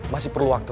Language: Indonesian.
masih perlu waktu